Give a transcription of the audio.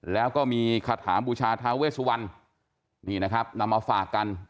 แล้วก็มีคาถาบูชาทาเวสุวรรณนำมาฝากกัน